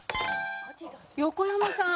横山さん。